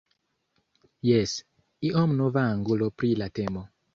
Jes, iom nova angulo pri la temo.